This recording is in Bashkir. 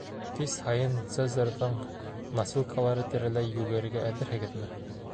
Кис һайын Цезарҙың носилкалары тирәләй йүгерергә әҙерһегеҙме?